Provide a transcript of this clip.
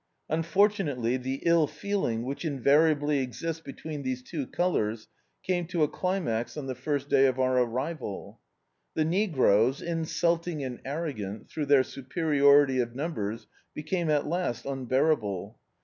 Unfortunately the ill feeling which invariably exists between these two colours came to a climax on the first day of our arrival. The negroes, insulting and arrc^ant, through their superiority of numbers, became at last unbearable.